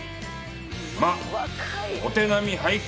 まあお手並み拝見